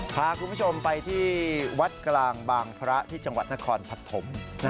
พาคุณผู้ชมไปที่วัดกลางบางพระที่จังหวัดนครปฐม